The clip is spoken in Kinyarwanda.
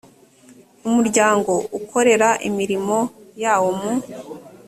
umuryango ukorere imirimo yawo mu